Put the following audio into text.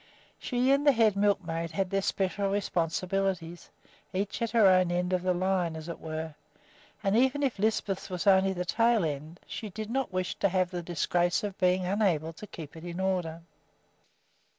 She and the head milkmaid had their special responsibilities, each at her own end of the line, as it were; and even if Lisbeth's was only the tail end, she did not wish to have the disgrace of being unable to keep it in order.